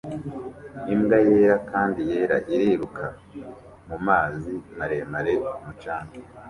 Imbwa yera kandi yera iriruka mumazi maremare ku mucanga